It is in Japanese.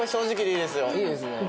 いいですね。